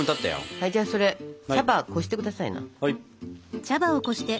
はいじゃあそれ茶葉こして下さいな。